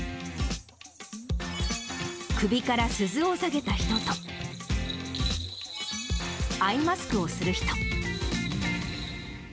首から鈴を提げた人と、アイマスクをする人。